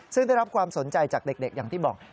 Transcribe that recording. ซึ่งได้รับความสนใจจากเด็กอย่างที่บอก